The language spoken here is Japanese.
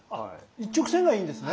一直線がいいんですね。